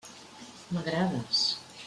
M'agrades.